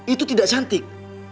itu tidak cantik